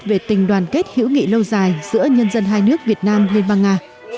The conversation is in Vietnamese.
về tình đoàn kết hữu nghị lâu dài giữa nhân dân hai nước việt nam liên bang nga